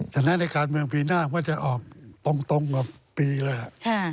ฉะนั้นในการเมืองปีหน้าก็จะออกตรงกว่าปีเลย